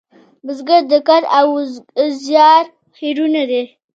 بزګر د کار او زیار هیرو نه دی